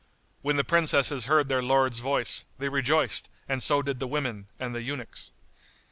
When the Princesses heard their lord's voice, they rejoiced and so did the women and the eunuchs.